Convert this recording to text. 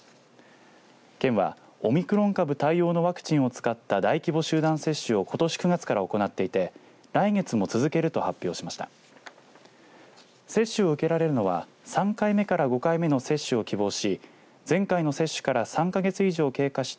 県はオミクロン株対応のワクチンを使った大規模集団接種をことし９月から行っていて来月も続けると発表しました。